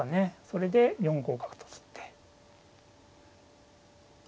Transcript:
それで４五角と取って。